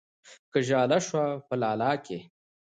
که ژاله شوه په لاله کې